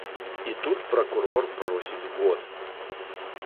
І тут пракурор просіць год.